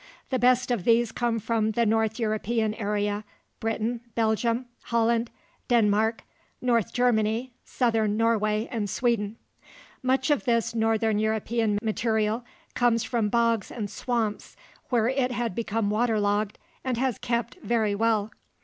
The best of these come from the north European area: Britain, Belgium, Holland, Denmark, north Germany, southern Norway and Sweden. Much of this north European material comes from bogs and swamps where it had become water logged and has kept very well.